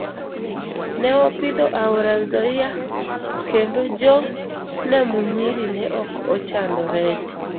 Ne opidho aora Nzoia kendo jo Namunyiri ne ok ochando rech.